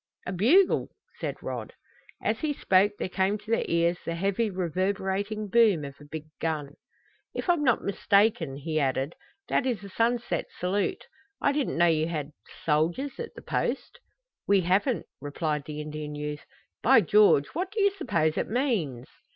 "A bugle!" said Rod. As he spoke there came to their ears the heavy, reverberating boom of a big gun. "If I'm not mistaken," he added, "that is a sunset salute. I didn't know you had soldiers at the Post!" "We haven't," replied the Indian youth. "By George, what do you suppose it means?"